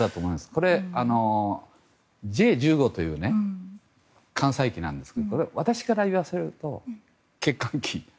これはＪ１５という艦載機なんですけど私から言わせると欠陥機。